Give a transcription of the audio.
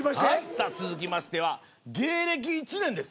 さあ続きましては芸歴１年です。